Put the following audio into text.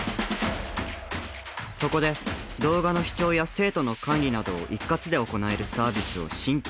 そこで動画の視聴や生徒の管理などを一括で行えるサービスを新規に開発。